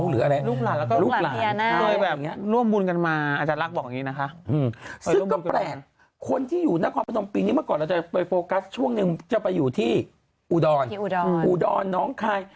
พระยาศิริสัตว์ตระนักฮาราชช่วยหน่อย